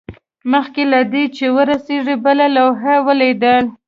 مخکې له دې چې ورسیږي بله لوحه یې ولیدل